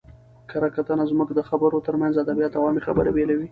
کره کتنه زموږ د خبرو ترمنځ ادبیات او عامي خبري بېلوي.